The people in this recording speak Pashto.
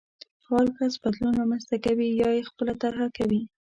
فعال کس بدلون رامنځته کوي يا يې خپله طرحه کوي.